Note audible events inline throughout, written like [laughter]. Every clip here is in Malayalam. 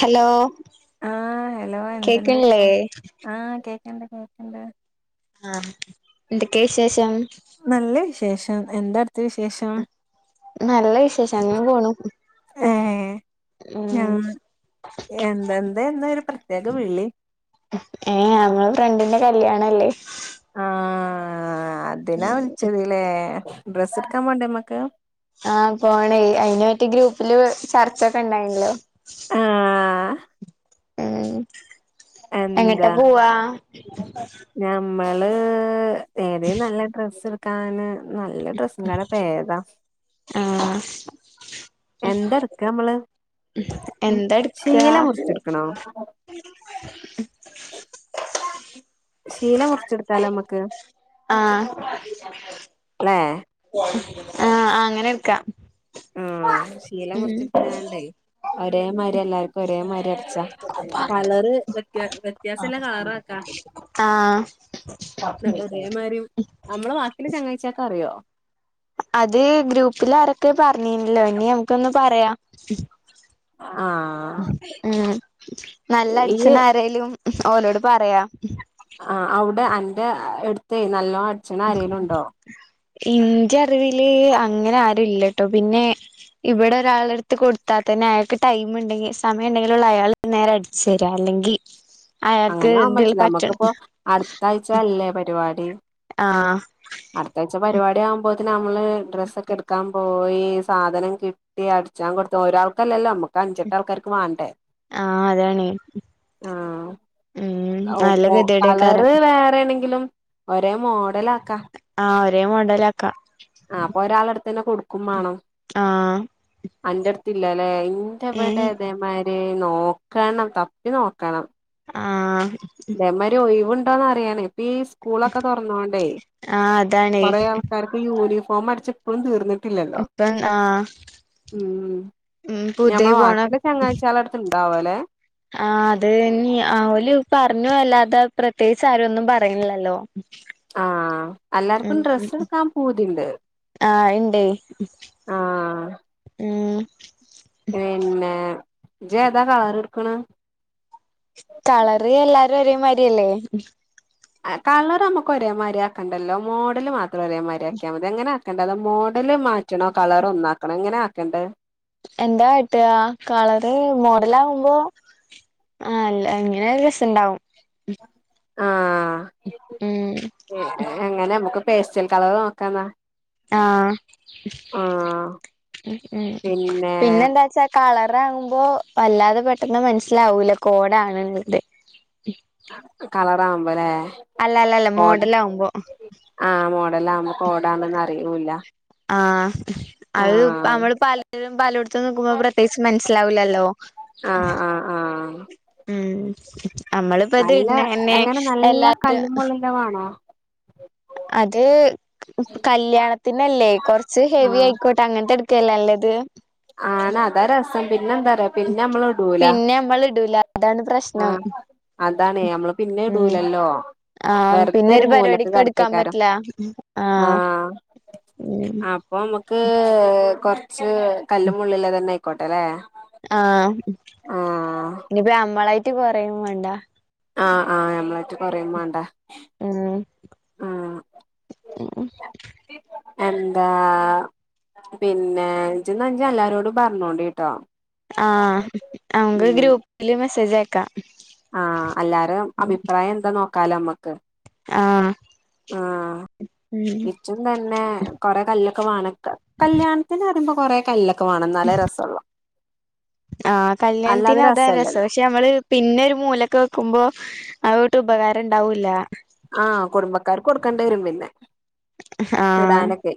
ഹലോ ആഹ് ഹലോ എന്തുണ്ട് കേക്കണില്ലേ വിശേഷം ആഹ് കേക്ക്ണ്ട് കേക്ക്ണ്ട് ആഹ് എന്തൊക്കെ വിശേഷം നല്ല വിശേഷം എന്താ അടുത്തെ വിശേഷം നല്ല വിശേഷം അങ്ങനെ പോണു ഏഹ് ഞാ ഉം എന്തെന്തേന്നൊരു പ്രത്യേക വിളി. ഏ അങ്ങള് ഫ്രണ്ടിന്റെ കല്യാണല്ലേ? തിനാ വിൾച്ചതില്ലേ? ഡ്രസ്സ്ട്കാം പോണ്ടേമ്മക്ക്? ആഹ പോണെയ് അയിന് പറ്റി ഗ്രൂപ്പില് ചർച്ചൊക്കെ ണ്ടായിൻല്ലോ? ആഹ്.. ഉം എങ്ങട്ട എന്താ പോവാ? ഞമ്മള്... ഏതേം നല്ല ഡ്രസ്സ്- ക്കാന് നല്ല ഡ്രസ്സ് കട പേതാ? ആഹ് എന്തട്ക്ക മ്മള്? എന്താ എടുക്കാ ശീല മുർച്ട്ക്കണോ? ശീല മുർച് ട്ത്താലോ മ്മക്ക്? ആഹ ല്ലേ ആഹ അങ്ങനെട്ക്കാ. ആഹ ശീല മുർച്ച്ടുതാണ്ടെ ഒരേമാരി എല്ലാർക്കും ഒരേമാരി അട്ച്ചാ. അ കളറ് വെത്യ വ്യത്യാസല്ല കളറാക്ക. ആഹ് ന്ന ഒരേമാരിം അമ്മളെ ബാക്കില ചങ്ങയിച്ചക്കറിയോ? അത് ഗ്രൂപ്പിൽ ആരൊക്കെ പറഞ്ഞീല്ലോ ഇനി നമക്കൊന്ന് പറയാം. ആ ഉം നല്ല ഇയ്യ് അടിച്ചന ആരേലും ഓലോട് പറയാ. ആ അവിടെ അന്റെ എടുത്ത് നല്ലോ അഡ്ച്ച്ന ആരെലുണ്ടോ. ഇന്റെ അറിവില് അങ്ങനെ ആരുംല്ലട്ടോ പിന്നെ ഇവിടെ ഒരാള എടുത്ത് കൊടുത്താൽ തന്നെ അയാൾക്ക് ടൈം ഉണ്ടെങ്കിൽ സമയ ഉണ്ടെങ്കിലുള്ള അയാൾ നേരെ അടിച്ചു തരിക അല്ലെങ്കി [inaudible] അങ്ങനെ ആകൻ പറ്റില്ല നമ്മുക്കിപ്പോ അടുത്ത ആഴ്ചയല്ലേ പരിപാടി. ആഹ്. അടുത്താഴ്ച പരിപാടി ആകുമ്പോത്തേന് നമ്മള് ഡ്രസ്സ് ഒകെ എടു എടുക്കാൻ പോയി സാധനം കിട്ടി അടിച്ചാൻ കൊടുത്ത ഒരാൾക്കല്ലല്ലോ നമ്മുക്ക് അഞ്ചെട്ടു ആൾക്കാർക്ക് വണ്ടെ ആഹ് അതാണ് ആഹ്. ഉം നല്ല കളറ് ഗതികേടേക്കാരം വേറെ ആണെങ്കിലും ഒരേ മോഡലക്കാ ആക്കാ. ആ ഒരേ മോഡലാക്ക. ആ അപ്പൊ ഒരാളടുതന്നെ കൊടു കുമാണം ആഹ് അന്റടുത്തില്ലലെ അല്ലേ ഏഹ് ഇറവിടെഇതെ മാതി തെ നോക്കണം തപ്പി നോക്കണം. ആഹ്. അതേമാരി ഒഴവുണ്ടോന്ന് അറിയാനേ ഇപ്പീസ് സ്കൂളൊക്കെ തുറന്നോണ്ടേ ആഹ് അതാണേ കൊറെേ ആൾക്കാർക്ക് യൂണിഫോം അടിച്ച് ഇപ്പളും തീർന്നിട്ടില്ലല്ലോ ഇപ്പം ആഹ് ഉ ഉം പുതിയ ഞമ്മെ പോണ വാക്ക ചങ്ങായിചാളടുത്ത്ണ്ടാവല്ലെ. ആ അതിന് ഓൽ പറഞ്ഞു അല്ലാതെ പ്രത്യേകിച്ച് ആര് ഒന്നും പറയുന്നില്ലല്ലോ. ആഹ് എല്ലാർക്കും ഡ്രസ്സ് എടുക്കാൻ പുതിണ്ട്. ആഹ് ഉണ്ട് ഉം. പിന്നെ ജ്താ കളറ് എടുക്കണ്. കളർ എല്ലാരും ഒരേമാരിയല്ലേ. കളർമക്ക് ഒരേമാതിരിയാക്കണ്ടല്ലോ മോഡല് മാത്രം ഒരേമാതി ആക്കിയാൽ മതി അങ്ങനാ മോഡല് മാറ്റണോ കളർ ഒന്നാക്കണോ എങ്ങനെ ആക്കണ്ട്. എന്താട്ട കളറ് മോഡൽ ആകുമ്പോ. ആ അല്ല എങ്ങനെയാലും രസണ്ടാവും. ആഹ്. ഉം. എങ്ങനെ നമുക്ക് പേസ്റ്റൽ കളറ് നോക്കാന്നാ. ആഹ് ആഹ് ഉം പിന്നെ പിന്നെന്താച്ചാ കളറാവുമ്പോ വല്ലാതെ പെട്ടെന്ന് മനസ്സിലാവൂല കോഡ് ആണന്ന്. കളറാവുമ്പോല്ലേ. അല്ല അല്ല അല്ല മോഡല് ആവുമ്പോ. ആഹ് മോഡലാവുമ്പോ കോഡാണന്ന് അറിയുല്ല. ആഹ് അത് നമ്മള് പലരും പലോടത്തന്നും നിക്കുമ്പോ പ്രത്യേകിച്ച് മനസ്സിലാവില്ലല്ലോ. ആഹ് ഉം ആഹ് ആഹ് ഉം നമ്മളിപ്പോ ഇത് നല്ല ഇടുന്ന ന്നെ എങ്ങനെ നല്ല എല്ലാത് കല്ലുമുള്ളിന്റെ വേണോ അത് കല്യാണത്തിനല്ലേ കൊറച്ച് ഹെവി ആഹ് ആയിക്കോ അങ്ങനത്തെ എടുകല്ലേ നല്ലത്. ആണ് അതാ അതാരസം. പിന്നെ എന്താ പറയാ പിന്നെ നമ്മള് ഇടുല പിന്നെ നമ്മൾ ഇടൂല അതാണ് പ്രശ്നം ആഹ്. അതാണേ നമ്മള് പിന്നെ ഉം ഇടൂലല്ലോ. ആഹ് പിന്നെ വെറുതരു ഒരു മൂലക്ക് പരിപാടിക്ക് എടുക്കാൻ കിടക്കുയ്കാരം പറ്റില്ല ആഹ് ഉം അം. അപ്പം നമുക്ക് കൊറച്ച് കല്ലുംമുള്ളില്ലെ തന്നെ ആയിക്കോട്ടെ ലെ. ആഹ് ഇനിപ്പോ ഞമ്മളായിട്ട് കുറയും വേണ്ട. ആഹ് ആഹ് ഞമ്മളട്ട് കൊറയും മാണ്ട ഉം എന്താ പിന്നെ ഇജ് ന്നാജ് എല്ലാരോടും പർഞ്ഞോണ്ടിട്ടോ ആഹ് നമക്ക് ഗ്രൂപ്പില് മെസ്സേജ് അയക്ക ആഹ് എല്ലാരും അഭിപ്രായം എന്താ നോക്കാലോ അമ്മക്ക് ആഹ് ആഹ് ഉം ഇച്ചും തന്നെ കൊറെ കല്ല് ഒക്കെ വാണംക്ക കല്യാൺത്തിന് പ്പം കൊറേ കല്ലൊക്കെ വാണം എന്നാല്ലെ രസം ഉളളു ആഹ് കല്ല്യാൺത്തിന് അതാ രസം പക്ഷെ നമ്മള് പിന്നെ ഒരു മൂലക്കെ വെക്കുമ്പോ അതോട്ട് ഉപകാരം ഉണ്ടാവൂല്ല ആഹ് കുടുംബക്കാർക്ക് കൊടുക്കേണ്ടരും പിന്നെ ആഹ് ഇടാനൊക്കെ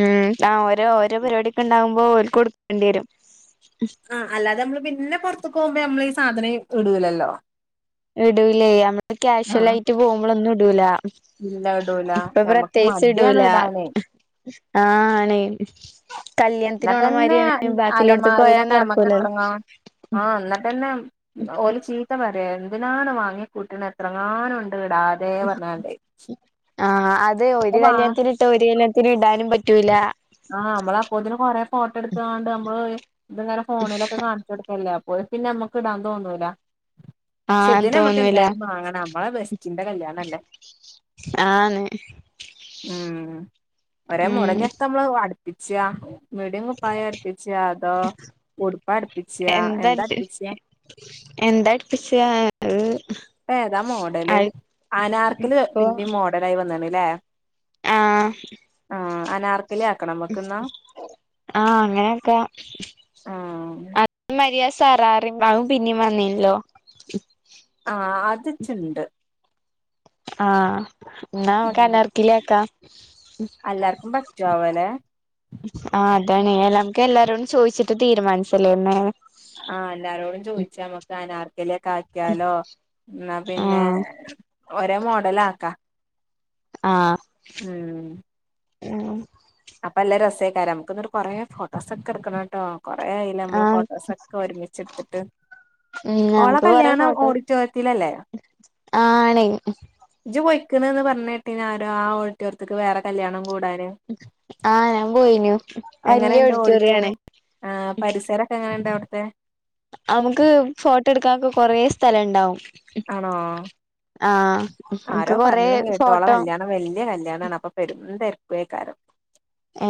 ഉം ആ ഓരോ ഓരോ പരിപാടിക്കെ ഉണ്ടാവുംമ്പോ ഓൽകൊടുക്കണ്ടയരും ആ അല്ലാതെ നമ്മള് പിന്നെ പൊർത്തക്ക് പോകുമ്പോ നമ്മള് ഈ സാധനം ഇടൂലല്ലോ ഇടൂലേ നമ്മള് കാക്ഷ്വൽ ആഹ് ആയിട്ട് പോകുമ്പളൊന്നും ഇടൂല ഇല്ല ഇടൂല ഇപ്പൊ ഞമ്മക്ക് പ്രത്യേകിച്ച് മടിയാണ് ഇടൂല ഇടാന് ആണേ കല്യാണത്തിന് എന്നിട്ടന്നെ പോണമാതിരി ബാക്കിള്ളോട്ത്ത്ക്ക് പോയാ നടക്കുല ആ എന്നിട്ടന്നെ ഓല് ചീ ത്ത പറയും എന്തിനാണ് വാങ്ങി കൂട്ടീണ എത്രങ്ങാനുംണ്ട് ഇടാ ആഹ് അത് ഒരു കല്യാൺത്തിന് ഇട്ട് ഒരു കല്യാൺത്തിന് ഇടാനും പറ്റൂല്ല ആഹ് അമ്മള് അപ്പോത്തിനു കൊറേ ഫോട്ട എട്ത്താണ്ട് നമ്മള് ഇതിങ്ങനെ ഫോണിലൊക്കെ കാൺച്ചു കൊട്ക്കല്ലേ പ്പോ പിന്നെ നമ്മക്ക് ഇടൻ തോന്നുല ക്ഷെ ആഹ് ഇതിന് അമ്മക്ക് തോന്നൂല എന്തായാലും വാങ്ങണം നമ്മളെ ബെസ്റ്റിന്റെ കല്യാണം അല്ലേ ആന്ന് ഉം ഒരേ ഉം മുടഞ്ഞത്ത നമ്മള് അട്പ്പിച്ചിയ മിടിയും കുപ്പായം അടുപ്പിച്ചിയ അതോ ഉടുപ്പ് അട്പ്പിച്ചിയ എന്താ അട്പ്പിച്ചിയ എന്തട്പ്പിച്ചയാ അ് പ്പം ഏതാ മോഡല് ആനാർക്കിലി അപ്പൊ പിന്നെ മോഡല് ആയി വന്നീണ്ല്ലേ ആഹ് ആഹ് അനാർ ലിയാക്കണം ആഹ് അങ്ങനെക്കെ ആ ആദ്യം മര്യാ സറാറി അഹ് പിന്നിം വന്നിനില്ലോ ആ അതിച്ച്ണ്ട് അഹ് ഉം ന്നാമ്മക്ക് അനാർക്കലിയാക്ക എല്ലാർക്കും പറ്റൊ ആവോലെ ആഹ് അതാണ് നമുക്ക് എല്ലാരോടും ചോദിച്ചിട്ട് തീരുമാനിച്ചല്ലേന്ന് ആഹ് എല്ലാരോടും ചോദിച്ച് നമ്മക്ക് അനാർക്കലിയൊക്കെ ആക്കിയാലോ ന്നാ പിന്നെ ആഹ് ഒരേ മോഡല് ആക്ക ആഹ് ഉം ഉം അപ്പൊല്ല രസേക്കാരം നമുക്കന്നൊരു കൊറെ ഫോട്ടോസ് ഒക്കെ എടുക്കണോട്ടോ കൊറെ ആയില്ലേ മ്മള് ആഹ് ഫോട്ടോസക്കെ ഒരുമിച്ച് എടുത്തിട്ട് ഉം ഓള നമുക്ക് കൊറെ കല്യാണം ഓഡിറ്റോറിയത്തിലല്ലേ ആണ് ഇജ്ജ് പൊയ്ക്ണ്ന്ന് പറഞ്ഞ് കേട്ടിന് ആരോ ആഹ് ഓഡിറ്റോറിയത്ക്ക് വേറെ കല്യാണം കൂടാന് ആഹ് ഞാൻ പോയിനു വലിയ ഒഡിറ്റോറിയം ആണ്. ആഹ് പരിസരൊക്കെ എങ്ങനെണ്ട് അവിടുത്തെ അവക്ക് ഫോട്ടോ എടുക്കാൻ ക്കെ കൊറേ സ്ഥലണ്ടാവും ആണോ ആഹ് ആരോ ഇനിക്ക് കൊറെ പറഞ്ഞും കേട്ടു ഓളെ ഫോട്ടോ കല്യാണം വല്യ കല്യാണാണ് അപ്പൊ പെരുന്തരക്കേ കാരം ഏ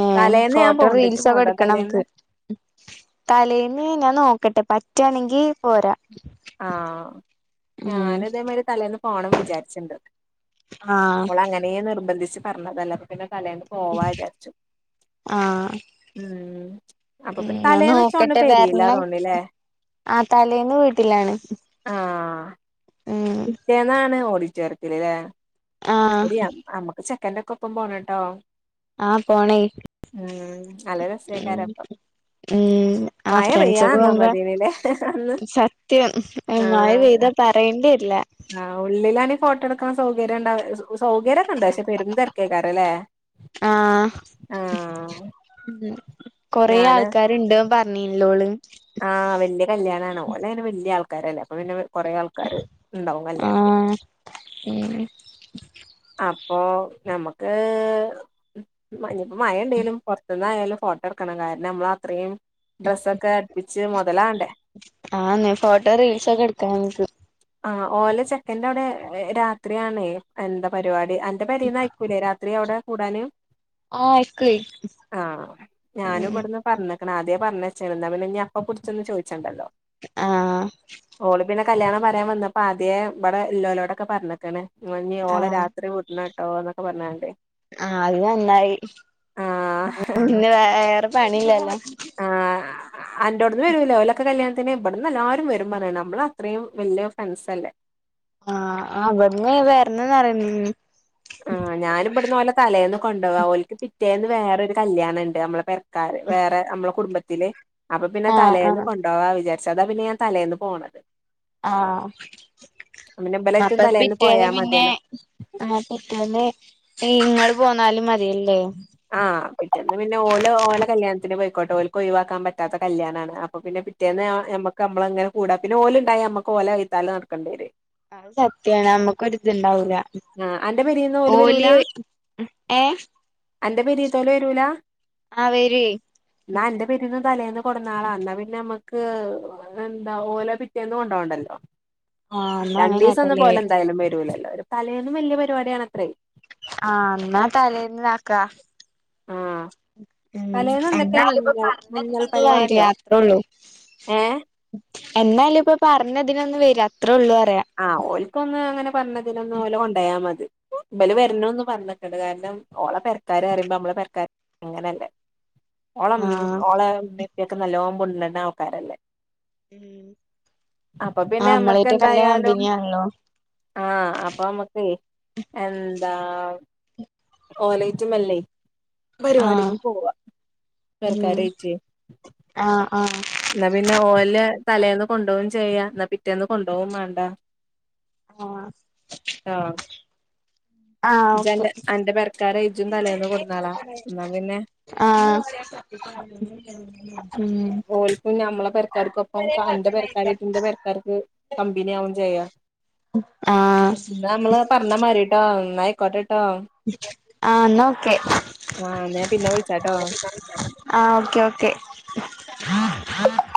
ഫോട്ടോ ഇജ്ജ് റീൽസൊക്കെ പോണ്ടോ എടുക്കണം തലേന്ന് നമുക്ക് തലേന്ന് ഞാൻ നോക്കട്ടെ പറ്റണെങ്കി പോരാം ആഹ് ഞാന് ഇതേമാതിരി തലേന്ന് പോണം വിചാരിച്ചിണ്ട് ആഹ് ഓളങ്ങനെ നിർബന്ധിച്ച് പറഞ്ഞതല്ലേ പ്പം പിന്നെ തലേന്ന് പോവാ വിചാരിച്ചു ആഹ് ഉം അപ്പൊ പിന്നെ ഞാൻ തലേന്ന് വച്ചോണ്ട് നോക്കട്ടെ വരണം പെരിയില്ലാതോണ്ടല്ലേ ആഹ് തലേന്ന് വീട്ടിലാണ് ആഹ് ഉം പിറ്റേന്നാണ് ഓടിറ്റോറിയത്തിലല്ലേ ആഹ് ശരിയാ ആഹ് മ്മക്ക് ചെക്കന്റെ ഒക്കെ ഒപ്പം പോണം ട്ടോ ആഹ് പോണെ ഉം നല്ല [inaudible] രസേക്കാരം അപ്പം ഉം ആഹ് മഴ ഫ്രണ്ട്സൊക്കെ പെയ്യാന്നാ പോവുമ്പോ മതിനില്ലേ അന്ന് സത്യം മഴ ആഹ് പെയ്ത പറയേണ്ടിവരില്ല. ആഹ് ഉള്ളിലാണേ ഫോട്ടോ എടുക്കണ സൗകര്യം ഉണ്ടായിരു സൗകര്യം ഒക്കെ ണ്ട് പക്ഷെ പെരുന്തെരക്കേക്കാരല്ലേ ആഹ് ഉം കൊറെ ഞാന് ആൾക്കാരുണ്ട് പറഞ്ഞീല്ലോള്. ആഹ് വല്യാ കല്യാണാണ് ഓന് അയിന് വല്യാ ആൾക്കാരല്ലേ അപ്പം പിന്നെ കുറെ ആ ആഹ് ഉം അപ്പൊ നമുക്ക് ഇനിപ്പോ മഴണ്ടേലും പുറത്തുന്നായാലും ഫോ ക്കണം കാരണം നമ്മള് അത്രേയും ഡ്രസ്സൊക്കെ അടുപ്പിച്ച് മുതലാകേണ്ടേ ആഹ്‌ന്നേ ഫോട്ടോ റീൽസ് ഒക്കെ എടുക്കാ നമക്ക് ആഹ് ഓല ചെക്കൻ്റെ അവിടെ രാത്രിയാണെ എന്താ പരിപാടി അന പെരെന്ന് ആയിക്കൂലേ രാത്രി അവിടെ കൂടാന് ആഹ് എക്കുവേ ആഹ് ഞാന് ഉം ഇവിടുന്ന് പറഞ്ഞേക്കണ് ആദ്യേ പറഞ്ഞച്ചേണ് എന്നാ പിന്നെ ഇനി അതേ കുറിച്ചൊന്ന് ചോദിച്ചണ്ടല്ലോ ആഹ് ഓള് പിന്നെ കല്യാണം പറയാൻ വന്നപ്പം ആദ്യേ ഇവിടെ എല്ലോലോടൊക്കെ പറഞ്ഞിക്കാണ്. ഇമമഞ്ഞി ഓളെ ആഹ് രാത്രി വിടണട്ടോ എന്നൊക്കെ പറഞ്ഞോണ്ട്. ആ അത് നന്നായി ആഹ് അവക്ക് പിന്നെ വേറെ പണിയില്ലല്ലോ? അ അൻ്റോട്ന്ന് വരുല്ലേ ഓലൊക്കെ കല്യാണത്തിന് ഇവിടന്ന് എല്ലാരും വരും പറയണ് അമ്മള് അത്രേം വല്യ ഫ്രണ്ട്സ് അല്ലേ ആഹ് അവിടന്ന് വരുന്നന്നറി ആഹ് ഞാനി ഇവിടുന്ന് ഓലെ. തലേന്ന് കൊണ്ട് വാ ഓല്ക്ക് പിറ്റേന്ന് വേറെരു കല്യാണം ണ്ട് നമ്മളെ പെ കാര് വേറെ അമ്മള കുടുംബത്തില് അപ്പൊ പിന്നെ ആഹ് തലേന്ന് ആഹ് കൊണ്ട ണ്ടോവാ വിചാരിച്ച് അതാ പിന്നെ ഞാൻ തലേന്ന് പോണത് ആഹ് പിന്നെ ഇബലേറ്റും അപ്പോ തലേന്ന് പിറ്റെന്ന് പോയാ പിന്നെ മതിയല്ലോ ആ പിറ്റേന്ന് ഈ ഇങ്ങള് പോന്നാലും മതിയല്ലേ? ആഹ് പിറ്റേന്ന് പിന്നെ ഓല് ഓല കല്യാണത്തിന് പോയിക്കോട്ടെ ഓൽക്ക് ഒയിവാക്കാൻ പറ്റാത്ത കല്യാണമാണ് അപ്പോ പിന്നെ പിറ്റെന്ന് ആഹ് നമ്മക്ക്മ്മള അങ്ങനെ കൂട പിന്നെ ഓല് ഉണ്ടയ നമ്മക്ക്ഓലെ വൈതലേ നട്ക്കേണ്ടി വരെ അഹ് സത്യാണ് ഞമ്മക്കൊരു ഒര് ഇത്ണ്ടാവൂല്ല. ആഹ് അന്റെ പെരീന്ന് വരൂല ഓല് ഏ അന്റെ പെരീത്തോല് വെരൂല? ആ വെരുഎ. ന്നാ എന്റെ പേരിന്ന് തലേന്ന് കൊടന്നാളാ ഇന്നാ പിന്നെ അമ്മക്ക് അതെന്താ ഓലെ പിറ്റേന്ന് കൊണ്ടോവണ്ടല്ലോ? ആഹ് എന്നാ രണ്ടീസൊന്നും അങ്ങനാക്കല്ലേ പോലെന്തായാലും വെരൂലല്ലോ ഒരു തലേൽന്നും വല്ല്യാ പരിപാടിയാണെത്രേ. ആ ഇന്നാ തലേന്ന്നാക്കാ. ആഹ് ഉം തലേന്ന് എന്തൊക്കെ എന്തായാലുംപ്പൊ മഞ്ഞൾ മഞ്ഞൾ പറഞ്ഞതിനൊന്ന പരിപാടിയോ [unintelligible] ത്തുള്ളൂ. ഏഹ് എന്തായാലും ഇപ്പൊ പറഞ്ഞതിനൊന്ന് വെര അത്രേള്ളൂ അറിയാ. ആഹ് ഓൽക്കൊന്ന് അങ്ങനെ പറഞ്ഞതിലൊന്ന് ഓലെ കൊണ്ടയാ മതി ഇബല് ആഹ് വെർണൊന്ന് പറഞ്ഞ കണ്ട് കാരണം ഓളെ പെരക്കാര് പറയുമ്പോ നമ്മളെ പെരക്കാർ അങ്ങനെല്ലേ? ഓളെ മം ആഹ് ഓളെ ഇമ്മി യിപ്പിയൊക്കെ നല്ലോം മുണ്ട്ണ ആൾക്കാരല്ലേ ഉം അപ്പൊ പിന്നെ ആ നമ്മളേറ്റൊക്കെ നല്ല കമ്പിനിയാണല്ലോ ആ അപ്പം അമ്മക്കേ എന്താ ഓലെറ്റും മെല്ലെ ആഹ് പരിപാടിക്ക് പോവാ ഉം [unintelligible] ആഹ് ആഹ് ഇന്നാ പിന്നെ ഓലെ തലേന്ന് കൊണ്ടോവയും ചെയ്യ ഇന്നാ പിറ്റേന്ന് കൊണ്ടോവും മാണ്ട ആഹ് ആഹ് ആഹ് ഓക്കെ ഇജന്റെ അന്റെ പെരക്കാരെ ഇജും തലേന്ന് കൊടുന്നളാ ഇന്നാ പിന്നെ ആഹ് ഉം ഓല്പ്പോ ഞമ്മളെ പെരക്കാർക്കൊപ്പം കാന്റെ പെരക്കാരെ ഇന്റെ പെരക്കാർക്ക് കമ്പിനി ആവും ചെയ്യാം ആഹ് എന്നാ മ്മള് പറഞ്ഞ മാരിട്ടോ ന്നാ ആയിക്കോട്ടെട്ടോ ആ എന്നാ ഓക്കെ ആഹ് ഞാൻ പിന്നെ വിളിച്ചാട്ടോ ആ ഓക്കേ ഓക്കേ [inaudible]